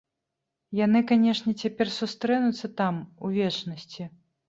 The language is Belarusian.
Яны, канешне, цяпер сустрэнуцца, там, у вечнасці.